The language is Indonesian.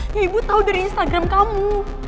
ya ibu tahu dari instagram kamu